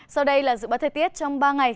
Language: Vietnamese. sau đây là dự báo thời tiết trong ba ngày